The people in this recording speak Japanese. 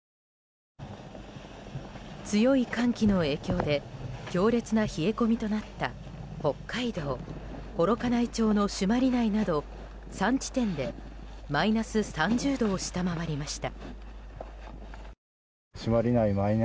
強い寒気の影響で強烈な冷え込みとなった北海道幌加内町の朱鞠内など３地点でマイナス３０度を下回りました。